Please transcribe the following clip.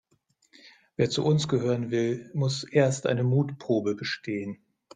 Wer zu uns gehören will, muss erst eine Mutprobe bestehen.